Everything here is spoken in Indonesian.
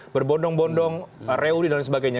berbondong bondong reuni dan lain sebagainya